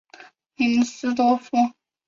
林斯多夫。